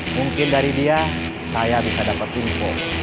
mungkin dari dia saya bisa dapat info